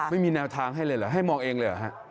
ไม่มีแนวทางให้เลยเหรอให้มองเองเลยเหรอฮะ